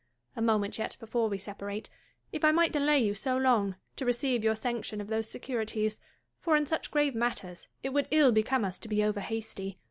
A moment yet before we separate ; if I might delay you so long, to receive your sanction of those securities : for, in such grave matters, it would ill become us to be over hasty.